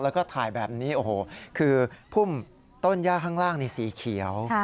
แล้วก็ถ่ายแบบนี้โอ้โหคือพุ่มต้นย่าข้างล่างนี่สีเขียว